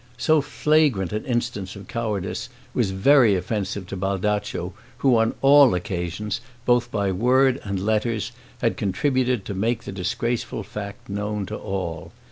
So flagrant an instance of cowardice was very offensive to Baldaccio, who, on many occasions, both by words and letters, had contributed to make the disgraceful fact known to all.